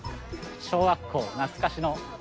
小学校懐かしの。